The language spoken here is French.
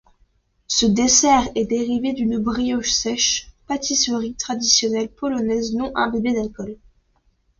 Ce dessert est dérivé d'une brioche sèche, pâtisserie traditionnelle polonaise non imbibée d'alcool.